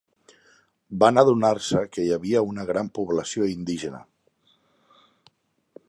Van adonar-se que hi havia una gran població indígena.